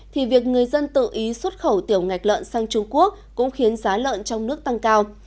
thì việc người dân tự ý xuất khẩu tiểu ngạch lợn sang trung quốc cũng khiến giá lợn trong nước tăng cao